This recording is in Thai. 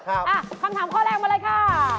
คำถามข้อแรกมาเลยค่ะ